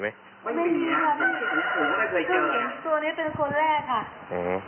ไม่มีค่ะไม่มีคือตัวนี้เป็นคนแรกค่ะ